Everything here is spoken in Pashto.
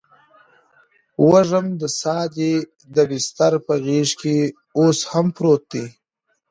وږم د ساه دی دبسترپه غیږکې اوس هم پروت دي